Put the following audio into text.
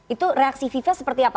itu reaksi fifa seperti apa